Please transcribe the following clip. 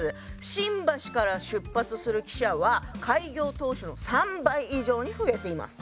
新橋から出発する汽車は開業当初の３倍以上に増えています。